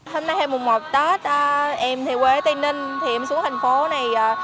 hôm nay là mùa một tết em thì quê tây ninh thì em xuống thành phố này